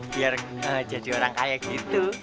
biar gak jadi orang kaya gitu